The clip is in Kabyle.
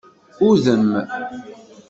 Udem.